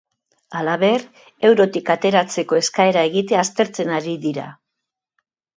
Halaber, eurotik ateratzeko eskaera egitea aztertzen ari dira.